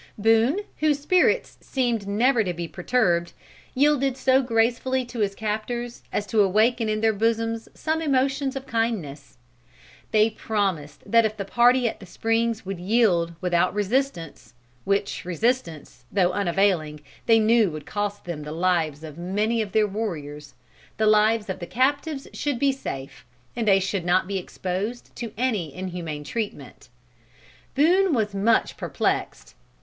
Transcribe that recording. Boone, whose spirits seemed never to be perturbed, yielded so gracefully to his captors as to awaken in their bosoms some emotions of kindness. They promised that if the party at the springs would yield without resistance which resistance, though unavailing, they knew would cost them the lives of many of their warriors the lives of the captives should be safe, and they should not be exposed to any inhuman treatment. Boone was much perplexed.